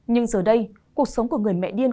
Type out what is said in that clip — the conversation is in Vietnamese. nhưng giờ đây cuộc sống của người mẹ điên